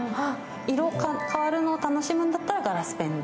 色変わるのを楽しむのだったらガラスペンで。